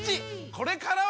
これからは！